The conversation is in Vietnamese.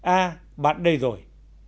à bạn đây rồi